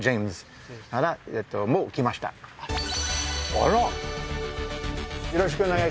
あら。